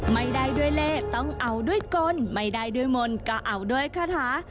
ไม่ได้ด้วยเลขต้องเอาด้วยกลไม่ได้ด้วยมนต์ก็เอาด้วยคาถา